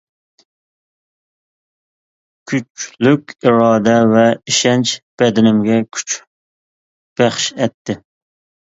كۈچلۈك ئىرادە ۋە ئىشەنچ بەدىنىمگە كۈچ بەخش ئەتتى.